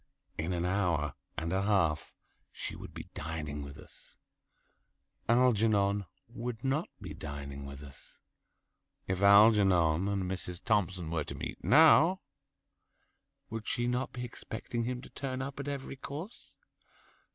In an hour and a half she would be dining with us. Algernon would not be dining with us. If Algernon and Mrs. Thompson were to meet now, would she not be expecting him to turn up at every course?